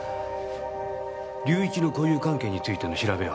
隆一の交友関係についての調べは？